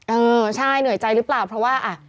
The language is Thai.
เออใช่เหนื่อยใจหรือเปล่าเพราะว่า